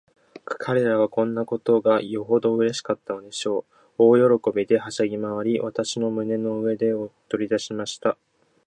彼等はこんなことがよほどうれしかったのでしょう。大喜びで、はしゃぎまわり、私の胸の上で踊りだしました。